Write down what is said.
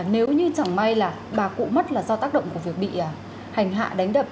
nếu như chẳng may là bà cụ mất là do tác động của việc bị hành hạ đánh đập